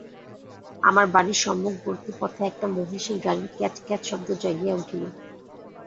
আমার বাড়ির সম্মুখবর্তী পথে একটা মহিষের গাড়ির ক্যাঁচ ক্যাঁচ শব্দ জাগিয়া উঠিল।